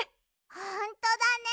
ほんとだね。